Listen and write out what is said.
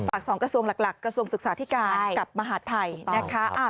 ฝากสองกระทรวงหลักกระทรวงศึกษาที่การกับมหาธัยนะคะ